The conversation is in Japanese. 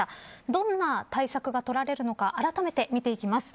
どんな対策が取られるのかあらためて見ていきます。